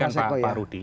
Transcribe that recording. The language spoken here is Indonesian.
menggantikan pak rudi